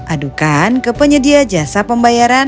adukan ke penyedia jasa pembayaran